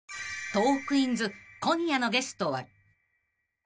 ［『トークィーンズ』今夜のゲストは］